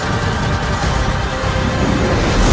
mereka mencari mati